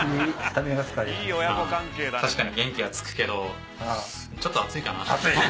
確かに元気がつくけどちょっとあついかな。